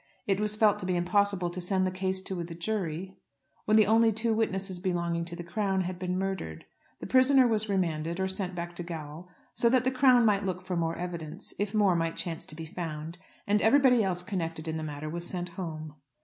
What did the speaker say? It was felt to be impossible to send the case to the jury when the only two witnesses belonging to the Crown had been murdered. The prisoner was remanded, or sent back to gaol, so that the Crown might look for more evidence if more might chance to be found, and everybody else connected in the matter was sent home.